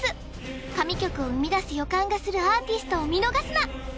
神曲を生み出す予感がするアーティストを見逃すな！